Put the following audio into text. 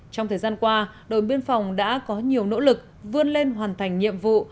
trong thời gian qua đồn biên phòng đã có nhiều nỗ lực vươn lên hoàn thành nhiệm vụ